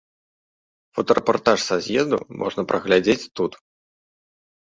Фотарэпартаж са з'езду можна праглядзець тут.